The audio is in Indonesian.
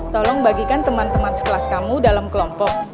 tolong bagikan teman teman sekelas kamu dalam kelompok